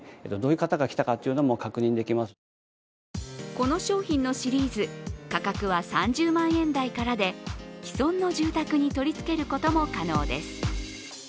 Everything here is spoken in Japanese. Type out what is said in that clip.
この商品のシリーズ価格は３０万円台からで既存の住宅に取りつけることも可能です。